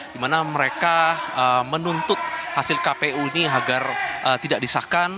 dimana mereka menuntut hasil kpu ini agar tidak disahkan